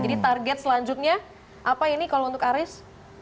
jadi target selanjutnya apa ini kalau untuk aris